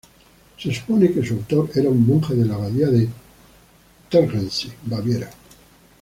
Se supone que su autor era un monje de la abadía de Tegernsee, Baviera.